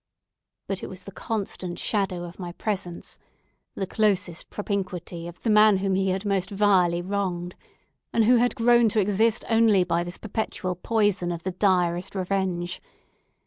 But it was the constant shadow of my presence, the closest propinquity of the man whom he had most vilely wronged, and who had grown to exist only by this perpetual poison of the direst revenge!